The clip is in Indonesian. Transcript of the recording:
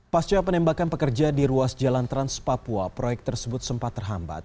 pasca penembakan pekerja di ruas jalan trans papua proyek tersebut sempat terhambat